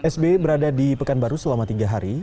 sbi berada di pekanbaru selama tiga hari